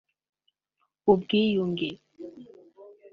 ubwiyunge